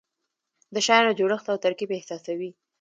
د شیانو جوړښت او ترکیب احساسوي.